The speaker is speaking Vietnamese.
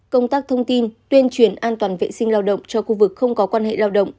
công tác thông tin tuyên truyền an toàn vệ sinh lao động cho khu vực không có quan hệ lao động